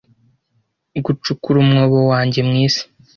gucukura umwobo wanjye mu isi